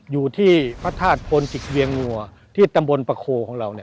อยู่ที่พระธาตุพลจิกเวียงงัวที่ตำบลประโคของเรา